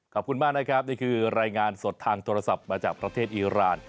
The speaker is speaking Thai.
ขอบคุณมากนะครับนี่คือรายงานสดทางโทรศัพท์มาจากประเทศอีราน